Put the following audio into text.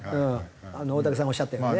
大竹さんがおっしゃったようにね。